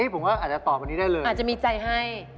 ผมว่าอาจจะตอบอันนี้ได้เลยอาจจะมีใจให้